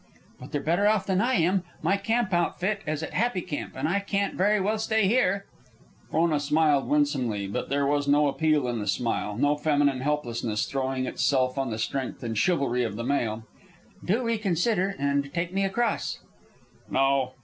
"But they're better off than I am. My camp outfit is at Happy Camp, and I can't very well stay here," Frona smiled winsomely, but there was no appeal in the smile; no feminine helplessness throwing itself on the strength and chivalry of the male. "Do reconsider and take me across." "No."